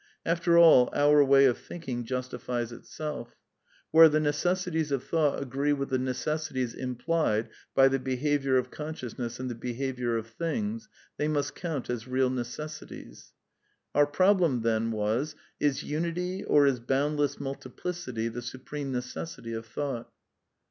After all, our way of thinking justifies itself. Where the necessities of thought agree with the necessities im plied by the behaviour of consciousness and the behaviour of things, they must count as real necessities. Our prob lem then was : Is unity or is boundless multiplicity the supreme necessity of thought